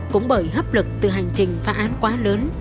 cũng bởi hấp lực từ hành trình phá án quá lớn